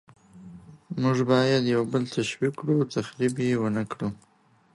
موږ باید یو بل تشویق کړو، تخریب ونکړو.